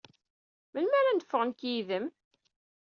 Melmi ara neffeɣ nekk yid-m?